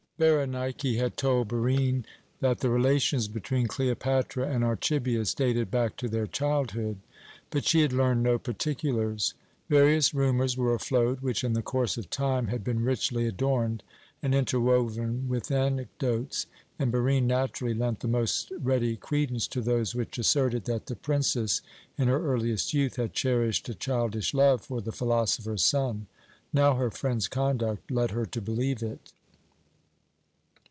Berenike had told Barine that the relations between Cleopatra and Archibius dated back to their childhood, but she had learned no particulars. Various rumours were afloat which, in the course of time, had been richly adorned and interwoven with anecdotes, and Barine naturally lent the most ready credence to those which asserted that the princess, in her earliest youth, had cherished a childish love for the philosopher's son. Now her friend's conduct led her to believe it.